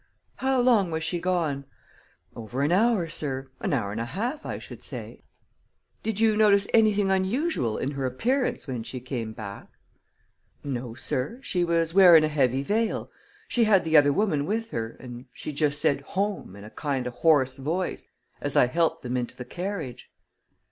"How long was she gone?" "Over an hour, sir; an hour an' a half, I should say." "Did you notice anything unusual in her appearance when she came back?" "No, sir; she was wearin' a heavy veil. She had th' other woman with her, an' she just said 'Home!' in a kind o' hoarse voice, as I helped them into th' carriage."